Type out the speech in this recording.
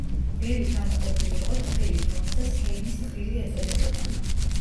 ველი გამოყოფილი იყო თხრილით, რომელსაც ჰელმის თხრილი ეწოდებოდა.